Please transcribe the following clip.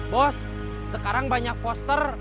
bos sekarang banyak poster